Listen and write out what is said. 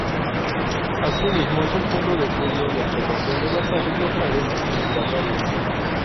Asimismo es un punto de estudio y observación de las aves locales y migratorias.